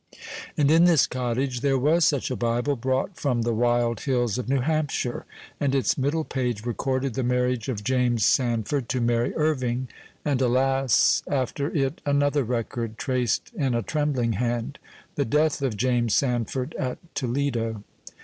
And in this cottage there was such a Bible, brought from the wild hills of New Hampshire, and its middle page recorded the marriage of James Sandford to Mary Irving; and alas! after it another record, traced in a trembling hand the death of James Sandford, at Toledo.